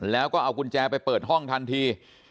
แล้วก็เอากุญแจไปเปิดห้องทันที